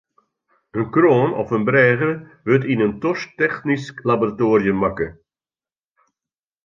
In kroan of in brêge wurdt yn in tosktechnysk laboratoarium makke.